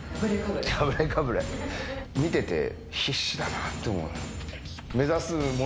見てて必死だなあって思う。